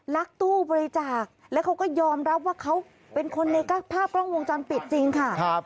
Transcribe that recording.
ลักตู้บริจาคแล้วเขาก็ยอมรับว่าเขาเป็นคนในภาพกล้องวงจรปิดจริงค่ะ